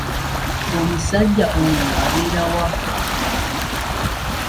Omusajja oyoabeera wa?